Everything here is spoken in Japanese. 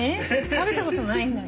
食べたことないんだよ。